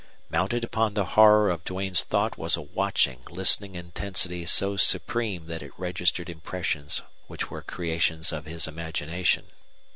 Mounted upon the horror of Duane's thought was a watching, listening intensity so supreme that it registered impressions which were creations of his imagination.